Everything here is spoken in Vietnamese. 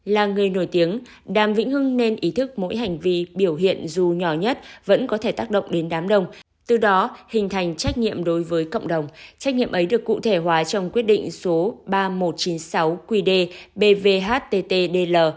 là người nổi tiếng đàm vĩnh hưng nên ý thức mỗi hành vi biểu hiện dù nhỏ nhất vẫn có thể tác động đến đám đông từ đó hình thành trách nhiệm đối với cộng đồng trách nhiệm ấy được cụ thể hóa trong quyết định số ba nghìn một trăm chín mươi sáu qd bvhttdl